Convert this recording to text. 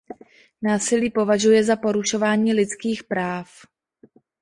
Násilí považuje za porušování lidských práv.